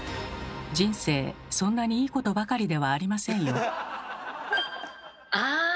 人生そんなにいいことばかりではありませんよ。